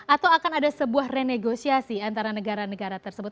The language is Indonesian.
atau akan ada sebuah renegosiasi antara negara negara tersebut